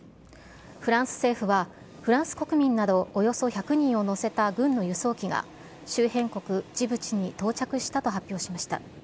フランス政府は、フランス国民などおよそ１００人を乗せた軍の輸送機が、周辺国ジブチに到着したと発表しました。